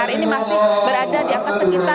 dan ini juga bisa diberikan pelaksanaan berikutnya